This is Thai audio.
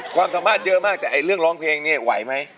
ความสามารถเยอะมากแต่เรื่องร้องเพลงเนี่ยไหวไหม